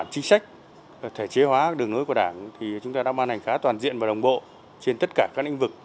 chính sách thể chế hóa đường lối của đảng thì chúng ta đã ban hành khá toàn diện và đồng bộ trên tất cả các lĩnh vực